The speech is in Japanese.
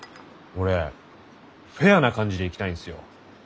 俺フェアな感じでいきたいんですよ。